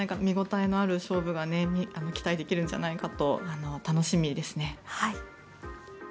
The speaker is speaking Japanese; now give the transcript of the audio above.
見応えのある勝負が期待できるんじゃないかと楽しみですね。